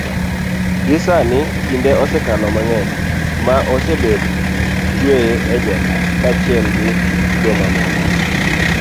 gie sani, kinde osekalo mang'eny ma osebed tweye e jela kaachiel gi jomamoko